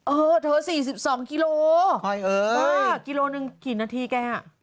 เออเธอ๔๒กิโลกิโลกิโลนึงกี่นาทีแก